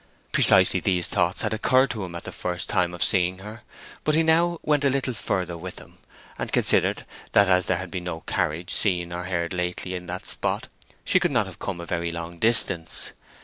Precisely these thoughts had occurred to him at the first time of seeing her; but he now went a little further with them, and considered that as there had been no carriage seen or heard lately in that spot she could not have come a very long distance.